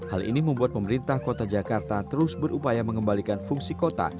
hal ini membuat pemerintah kota jakarta terus berupaya mengembalikan fungsi kota